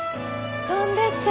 飛んでっちゃって。